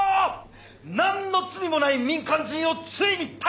なんの罪もない民間人をついに逮捕！